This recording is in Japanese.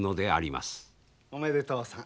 おめでとうさん。